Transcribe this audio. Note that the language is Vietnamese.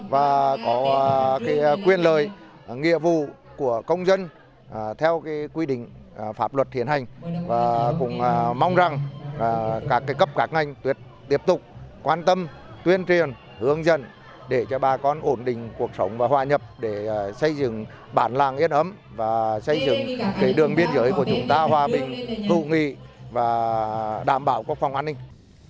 và cũng mong rằng các cái cấp các ngành tiếp tục quan tâm tuyên truyền hướng dẫn để cho bà con ổn định cuộc sống và hòa nhập để xây dựng bản làng yên ấm và xây dựng cái đường biên giới của chúng ta hòa bình tự nghị và đảm bảo quốc phòng an ninh